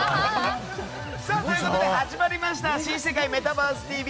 始まりました「新世界メタバースＴＶ！！」